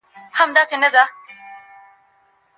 ولي مورنۍ ژبه د زده کړې اسانتيا برابروي؟